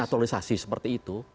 naturalisasi seperti itu